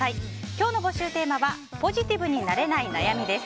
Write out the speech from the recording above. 今日の募集テーマはポジティブになれない悩みです。